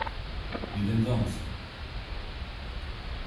Wie denn sonst?